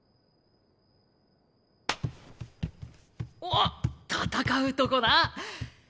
あっ戦うとこな。